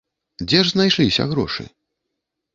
Дзе ж знайшліся грошы?